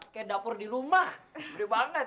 kayak dapur di rumah gede banget